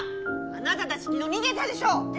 あなたたちきのうにげたでしょ！